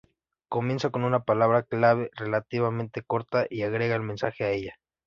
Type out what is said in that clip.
Comienza con una palabra clave relativamente corta, y agrega el mensaje a ella.